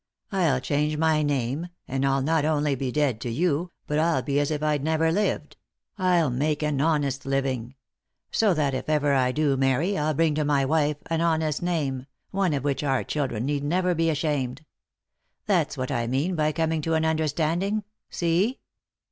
I'll change my name, and I'll not only be dead to you, but I'll be as if I'd never lived. I'll make an honest living ; so that, if ever I do marry, I'll bring to my wife a honest name, one of which our children need never be ashamed. That's what I mean by coming to an understanding — see